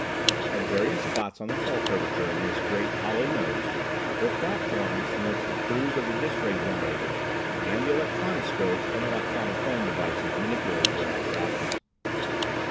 At various spots on the hull curvature in this great "hollow nose" were platforms from which the crews of the dis ray generators and the electronoscope and electronophone devices manipulated their apparatus.